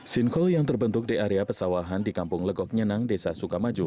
sinkhole yang terbentuk di area pesawahan di kampung legok nyenang desa sukamaju